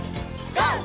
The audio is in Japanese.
ＧＯ！